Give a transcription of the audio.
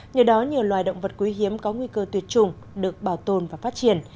nhờ đó nhiều loài động vật quý hiếm có nguy cơ tuyệt chủng được bảo tồn và phát triển